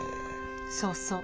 そうそう。